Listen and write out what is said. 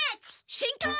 しんこう！